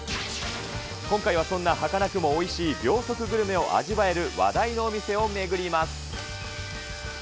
今回はそんなはかなくもおいしい秒速グルメを味わえる話題のお店を巡ります。